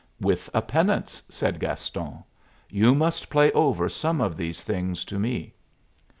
"With a penance," said Gaston. "You must play over some of these things to me."